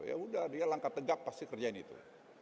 ya udah dia langkah tegak pasti kerjain itu